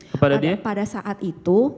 kepada dia pada saat itu